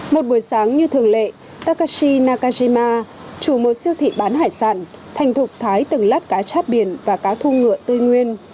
một buổi sáng như thường lệ takashi nakajima chủ một siêu thị bán hải sản thành thục thái từng lát cá cháp biển và cá thu ngựa tươi nguyên